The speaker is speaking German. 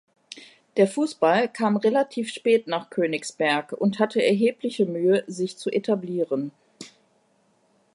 Der Fußball kam relativ spät nach Königsberg und hatte erhebliche Mühe, sich zu etablieren.